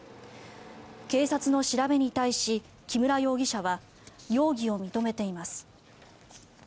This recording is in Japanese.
警察の調べに対し木村容疑者は容疑を認めています。